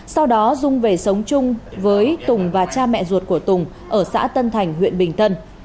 sau đó dung về sống chung với tùng và cha mẹ ruột của tùng ở xã tân thành huyện bình tân